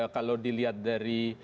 kalau dilihat dari